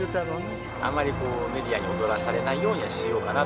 あまりメディアに踊らされないようにしようかなと。